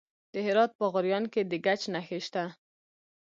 د هرات په غوریان کې د ګچ نښې شته.